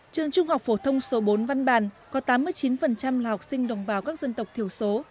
trường trung học phổ thông số bốn văn bàn có tám mươi chín là học sinh đồng bào các dân tộc thiểu số